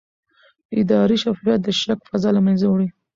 اداري شفافیت د شک فضا له منځه وړي